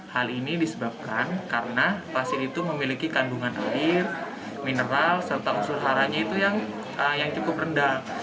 hal ini disebabkan karena pasir itu memiliki kandungan air mineral serta unsur haranya itu yang cukup rendah